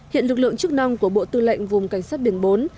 hiện lực lượng chức năng của bộ tư lệnh vùng cảnh sát biển bốn